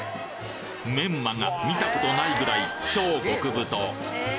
メンマが見たことないぐらい超極太！